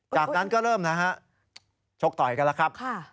จากนั้นก็เริ่มนะฮะชกต่อยกันแล้วครับ